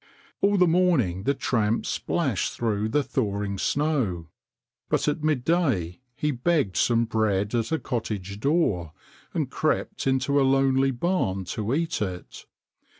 All the morning the tramp splashed through the thawing snow, but at midday he begged some bread, at a cottage door and crept into a lonely barn to eat it.